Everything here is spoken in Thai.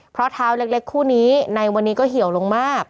เพราะเท้าเล็กคู่นี้ในวันนี้ก็เหี่ยวลงมาก